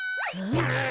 えっ？